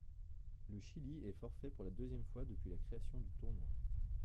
Le Chili est forfait pour la deuxième fois depuis la création du tournoi.